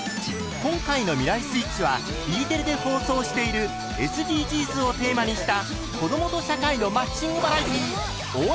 今回の「未来スイッチ」はＥテレで放送しているＳＤＧｓをテーマにした「子どもと社会のマッチングバラエティー応援！